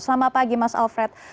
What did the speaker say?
selamat pagi mas alfred